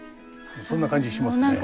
そんな感じしますね。